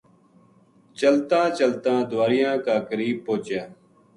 چلتاں چلتاں دواریاں کا قریب پہچیا